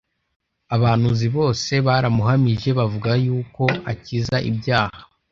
abahanuzi bose baramuhamije bavuga yuko akiza ibyaha.